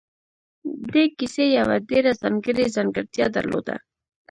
دې کيسې يوه ډېره ځانګړې ځانګړتيا درلوده.